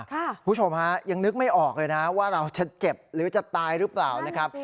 คุณผู้ชมฮะยังนึกไม่ออกเลยนะว่าเราจะเจ็บหรือจะตายหรือเปล่านะครับ